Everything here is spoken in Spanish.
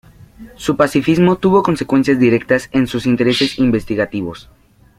Su pacifismo tuvo consecuencias directas en sus intereses investigativos.